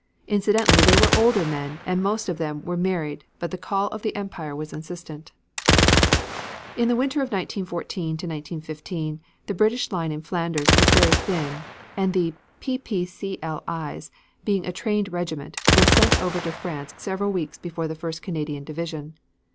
Incidentally they were older men and most of them were married but the call of the Empire was insistent. In the winter of 1914 15 the British line in Flanders was very thin and the P. P. C. L. I's. being a trained regiment was sent over to France several weeks before the first Canadian division.